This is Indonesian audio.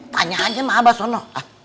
tanya aja sama abah sono